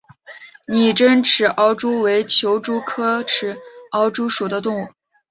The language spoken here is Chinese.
拟珍齿螯蛛为球蛛科齿螯蛛属的动物。